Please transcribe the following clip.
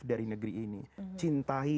dari negeri ini cintai